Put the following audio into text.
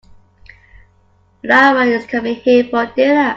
Lara is coming here for dinner.